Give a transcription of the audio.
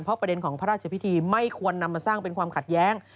เพราะประเด็นของพระราชพิธีไม่ควรนำมาสร้างเป็นความขัดแย้ง